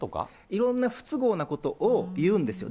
いろんな不都合なことを言うんですよ。